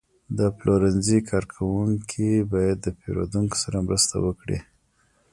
د پلورنځي کارکوونکي باید د پیرودونکو سره مرسته وکړي.